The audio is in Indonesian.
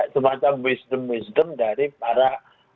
semacam wisdom wisdom dari para